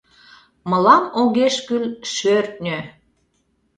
«Мылам огеш кӱл шӧртньӧ...»